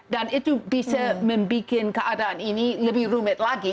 dan itu bisa membuat keadaan ini lebih rumit lagi